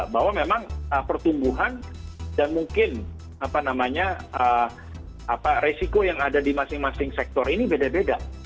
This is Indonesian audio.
bahwa memang pertumbuhan dan mungkin resiko yang ada di masing masing sektor ini beda beda